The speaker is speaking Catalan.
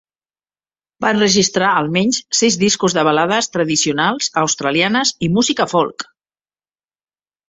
Va enregistrar almenys sis discos de balades tradicionals australianes i música folk.